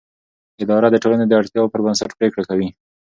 اداره د ټولنې د اړتیاوو پر بنسټ پریکړه کوي.